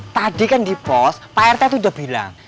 tadi kan di pos pak rt itu udah bilang